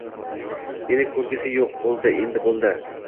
Meni ko‘rgisi yo‘q, bo‘ldi, endi bo‘ldi.